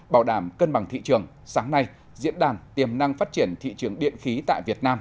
bảo đảm cân bằng thị trường sáng nay diễn đàn tiềm năng phát triển thị trường điện khí tại việt nam